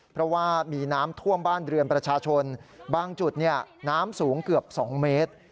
เพราะว่ามีน้ำท่วมบ้านเรือนประชาชนบางจุดน้ำสูงเกือบ๒เมตร